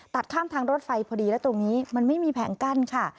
ข้ามทางรถไฟพอดีและตรงนี้มันไม่มีแผงกั้นค่ะ